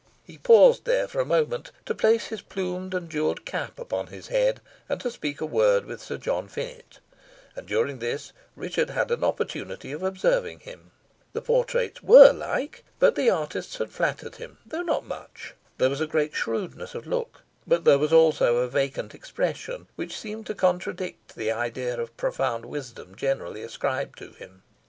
He paused there for a moment to place his plumed and jewelled cap upon his head, and to speak a word with Sir John Finett, and during this Richard had an opportunity of observing him. The portraits were like, but the artists had flattered him, though not much. There was great shrewdness of look, but there was also a vacant expression, which seemed to contradict the idea of profound wisdom generally ascribed to him.